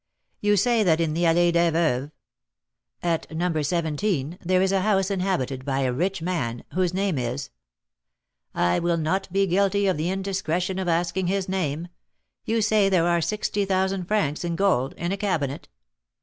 You say that in the Allée des Veuves " "At No. 17 there is a house inhabited by a rich man, whose name is " "I will not be guilty of the indiscretion of asking his name. You say there are sixty thousand francs in gold in a cabinet?"